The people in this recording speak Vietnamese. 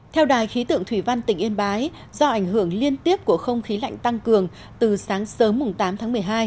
theo đài khí tượng thủy văn tỉnh yên bái do ảnh hưởng liên tiếp của không khí lạnh tăng cường từ sáng sớm tám tháng một mươi hai